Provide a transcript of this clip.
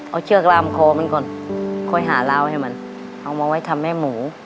เอาเชือกรามโคมนี่ก่อนโคยหาเล่าให้มันเอามาไว้ทำให้หมู